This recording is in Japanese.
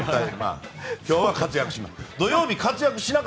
今日は活躍します。